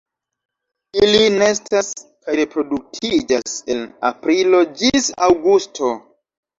Ili nestas kaj reproduktiĝas el aprilo ĝis aŭgusto.